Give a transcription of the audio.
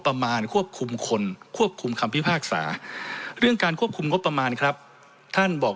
ประมาณควบคุมคนควบคุมคำพิพากษาเรื่องการควบคุมงบประมาณครับท่านบอก